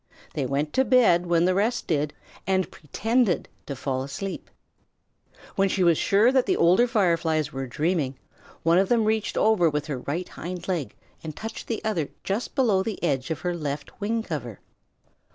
They went to bed when the rest did and pretended to fall asleep. When she was sure that the older Fireflies were dreaming, one of them reached over with her right hind leg and touched the other just below the edge of her left wing cover.